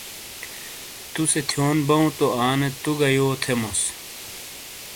تُوسے تھیون بَؤں تو آنے تُو گہ یو تھیموس۔